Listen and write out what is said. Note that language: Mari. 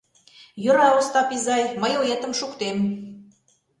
Йӧра, Остап изай, мый оетым шуктем.